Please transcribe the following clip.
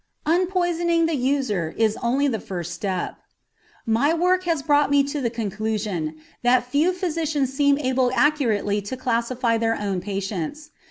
UNPOISONING THE USER IS ONLY THE FIRST STEP My work has brought me to the conclusion that few physicians seem able accurately to classify their own patients.